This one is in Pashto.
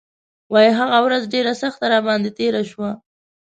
وايي هغه ورځ ډېره سخته راباندې تېره شوه.